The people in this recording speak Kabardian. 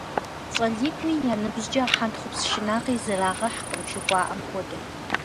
ЩӀалитӀми я ныбжькӀэ хьэнтхъупс шынакъи зэрагъэхькъым жыхуаӀэм хуэдэт.